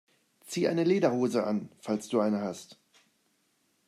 Zieh eine Lederhose an, falls du eine hast!